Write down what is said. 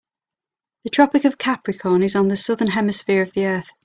The Tropic of Capricorn is on the Southern Hemisphere of the earth.